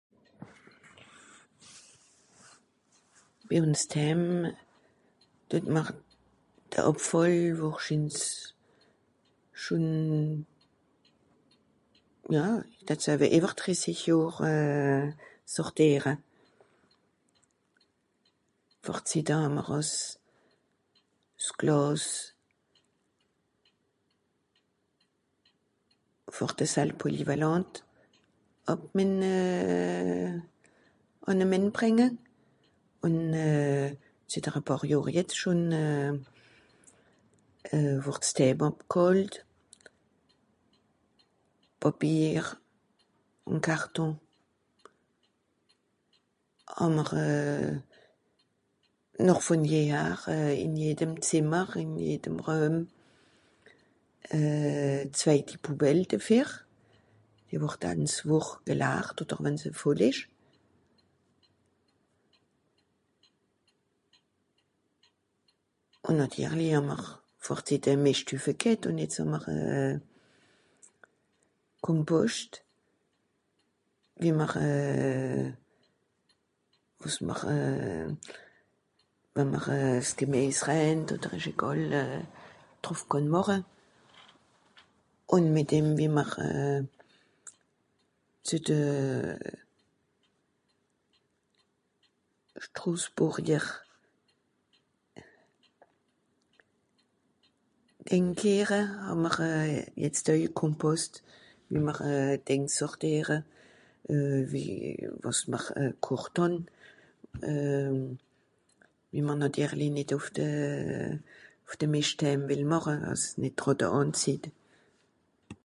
Bi uns dhääm duet m'r de Àbfàll wohrschins schùn... ja i datt sawe ìwer drissisch Johr sortìere. Vor Zitte hàà-m'r au s'... s'Glàs vor de salle polyvalente àb mìen euh... ànne mìen brìnge. Ùn euh... Zìtter e pààr Johr jetz schùn euh... euh... wùrd's d'hääm àbgholt. Pàpier... ùn Carton... hàà-m'r (...) ìn jedem Zìmmer, ìn jedere... euh... zweiti Poubelle defìr. (...) Wùch gelaart, odder wenn se voll ìsch. Ùn nàtirli hàà-m'r... vor Zitte mìschthüffe ghet ùn jetz hàà-m'r euh... Komposcht, wie m'r euh... Wo s'mr euh... we'mr euh s'Gemìesränd odder ìsch egàl euh... drùf kànn màche. Ùn mìt dem, wie m'r euh... zü de euh... Strosburjer. (...) hàà-m'r jetzt oei Kompost, wie m'r euh... Dìngs sortìere, euh... wie, wàs m'r kocht hàn. Ìmmer nàtirli nìt ùf de... ùf de Mìscht dhääm wìll màche, àss es nìtt d'Ràtte ànzéit